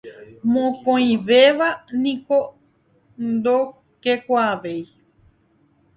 Mokõivéva niko ndorokekuaavéi.